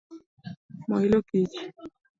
Mo ilo kich